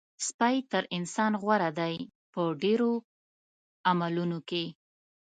سپی تر انسان غوره دی په ډېرو عملونو کې.